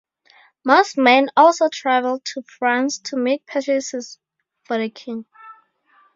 Mosman also travelled to France to make purchases for the king.